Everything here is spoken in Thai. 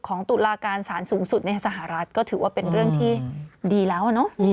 ตุลาการสารสูงสุดในสหรัฐก็ถือว่าเป็นเรื่องที่ดีแล้ว